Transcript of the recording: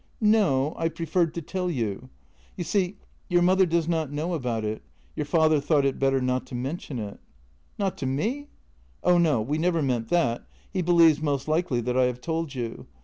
"No; I preferred to tell you. You see, your mother does not know about it; your father thought it better not to men tion it." " Not to me? "" Oh no, we never meant that. He believes most likely that I have told you.